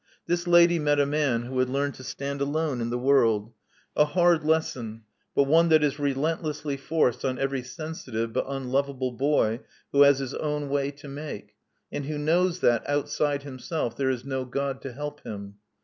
This lady met a man who had learned to stand alone in the world — a hard lesson, but one that is relentlessly forced on every sensitive but unlovable boy who has his own way to make, and who knows that, outside himself, there is no God to help him.